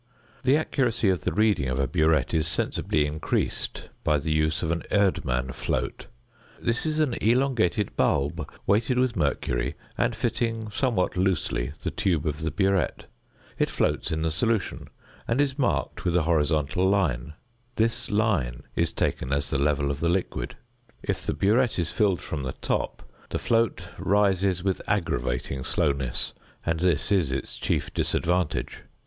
The accuracy of the reading of a burette is sensibly increased by the use of an Erdmann float. This is an elongated bulb, weighted with mercury, and fitting (somewhat loosely) the tube of the burette. It floats in the solution, and is marked with a horizontal line; this line is taken as the level of the liquid. If the burette is filled from the top, the float rises with aggravating slowness, and this is its chief disadvantage.